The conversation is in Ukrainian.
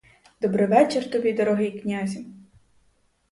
Добривечір тобі, дорогий князю!